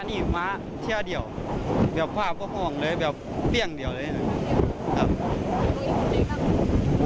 อันนี้ม้าแช่เดี่ยวแบบภาพก็ห้องเลยแบบเตี้ยงเดี่ยวเลยครับ